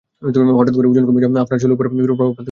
হঠাৎ করে ওজন কমে যাওয়া আপনার চুলের ওপর বিরূপ প্রভাব ফেলতে পারে।